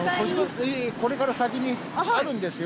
これから先にあるんですよ。